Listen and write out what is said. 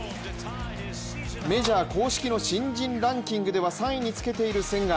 メジャー公式の新人ランキングでは３位につけている千賀。